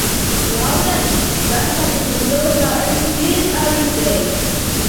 واورئ برخه د جملو تایید ډیر اړین دی.